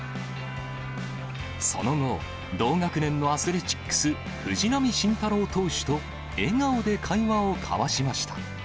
その後、同学年のアスレチックス、藤浪晋太郎投手と、笑顔で会話を交わしました。